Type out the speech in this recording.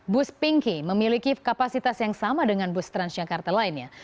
bus pinky memiliki kapasitas yang sama dengan bus transjakarta lainnya